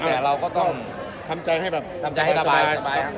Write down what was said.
แต่เราต้องทำใจให้สบายด้วย